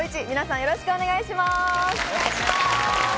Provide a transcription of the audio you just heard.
みなさん、よろしくお願いします。